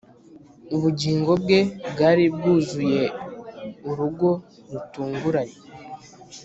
Ubugingo bwe bwari bwuzuye urugo rutunguranye